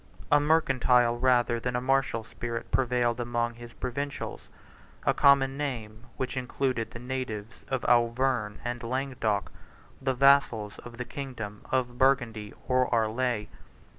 50 A mercantile, rather than a martial, spirit prevailed among his provincials, 51 a common name, which included the natives of Auvergne and Languedoc, 52 the vassals of the kingdom of Burgundy or Arles.